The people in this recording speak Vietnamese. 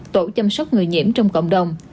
tổ chăm sóc người nhiễm trong cộng đồng